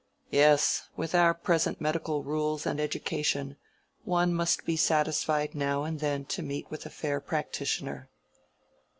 "Yes;—with our present medical rules and education, one must be satisfied now and then to meet with a fair practitioner.